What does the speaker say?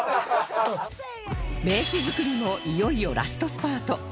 名刺作りもいよいよラストスパート